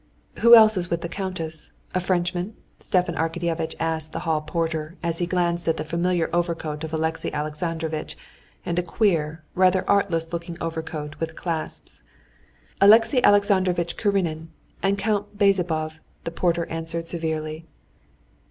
"Who else is with the countess?—a Frenchman?" Stepan Arkadyevitch asked the hall porter, as he glanced at the familiar overcoat of Alexey Alexandrovitch and a queer, rather artless looking overcoat with clasps. "Alexey Alexandrovitch Karenin and Count Bezzubov," the porter answered severely.